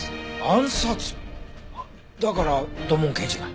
だから土門刑事が。